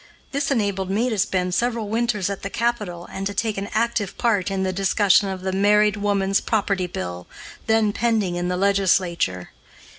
This enabled me to spend several winters at the Capital and to take an active part in the discussion of the Married Woman's Property Bill, then pending in the legislature.